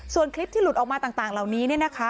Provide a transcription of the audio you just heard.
ส่วนคลิปที่หลุดออกมาต่างเหล่านี้เนี่ยนะคะ